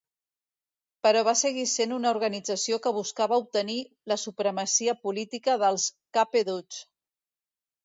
Però va seguir sent una organització que buscava obtenir la supremacia política dels Cape Dutch.